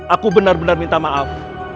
aku benar benar minta maaf